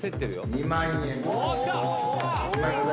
２万円。